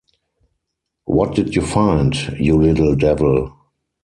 What did you find, you little devil?